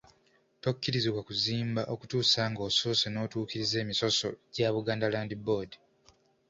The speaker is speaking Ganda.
Tokkirizibwa kuzimba okutuusa nga osoose n'otuukiriza emisoso gya Buganda Land Board.